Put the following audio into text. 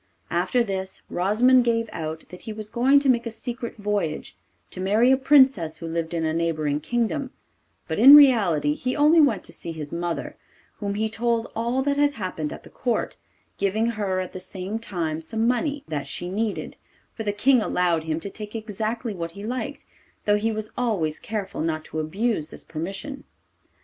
After this, Rosimond gave out that he was going to make a secret voyage, to marry a Princess who lived in a neighbouring kingdom; but in reality he only went to see his mother, whom he told all that had happened at the Court, giving her at the same time some money that she needed, for the King allowed him to take exactly what he liked, though he was always careful not to abuse this permission.